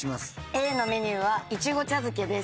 Ａのメニューはいちご茶漬けです。